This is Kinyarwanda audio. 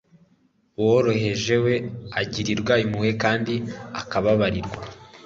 uworoheje we, agirirwa impuhwe kandi akababarirwa